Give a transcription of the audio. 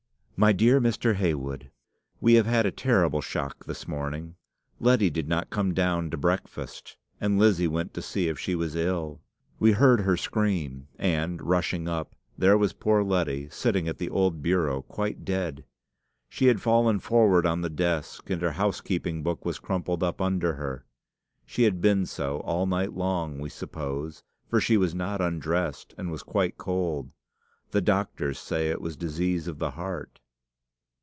"'MY DEAR MR. HEYWOOD, We have had a terrible \shock this morning. Letty did not come down to breakfast, and Lizzie went to see if she was ill. We heard her scream, and, rushing up, there was poor Letty, sitting at the old bureau, quite dead. She had fallen forward on the desk, and her housekeeping book was crumpled up under her. She had been so all night long, we suppose, for she was not undressed, and was quite cold. The doctors say it was disease of the heart.